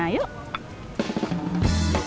sambel sambel sambel sambel